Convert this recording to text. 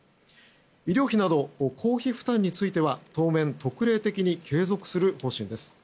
医療費など公費負担については当面、特例的に継続する方針です。